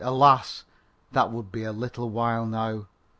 Alas! that would be but a little while now.